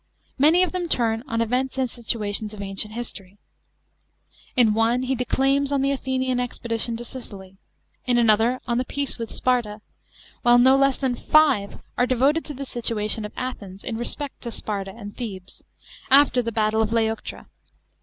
Many ot them turn on events and situations of ancient history. In one he declaims on the Athenian expedition to Sicily, in another on the peace with Sparta ; while no less than five are devoted to the situation of Athens, in respect to Sparta and Thebes, after the battle of Leuctra.